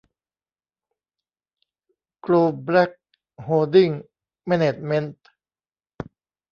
โกลเบล็ก โฮลดิ้ง แมนเนจเม้นท์